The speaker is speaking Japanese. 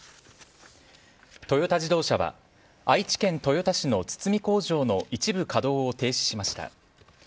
トヨタ自動車は愛知県豊田市の堤工場の一部稼働を停止しました。